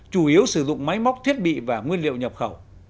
chủ yếu sử dụng máy móc thiết bị và nguyên liệu nhập khẩu